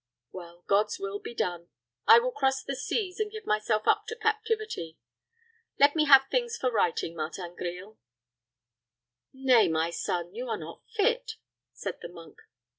Well, God's will be done I will cross the seas, and give myself up to captivity. Let me have things for writing, Martin Grille." "Nay, my son, you are not fit," said the monk.